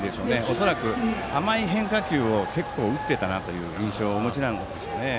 恐らく、甘い変化球を結構、打っていたなという印象をお持ちなんじゃないでしょうかね。